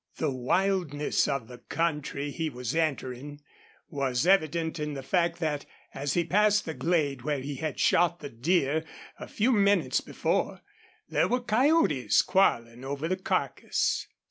The wildness of the country he was entering was evident in the fact that as he passed the glade where he had shot the deer a few minutes before, there were coyotes quarreling over the carcass.